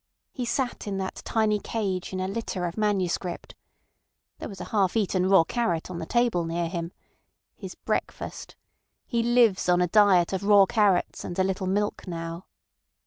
He sat in that tiny cage in a litter of manuscript. There was a half eaten raw carrot on the table near him. His breakfast. He lives on a diet of raw carrots and a little milk now."